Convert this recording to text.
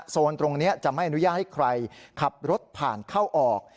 โซนตรงนี้จะไม่อนุญาตให้ใครขับรถผ่านเข้าออก